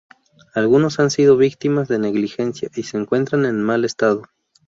Algunos han sido víctimas de negligencia, y se encuentran en mal estado.